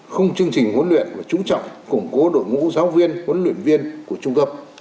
khung chương trình huấn luyện và chú trọng củng cố đội ngũ giáo viên huấn luyện viên của trung tâm